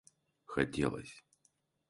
хотелось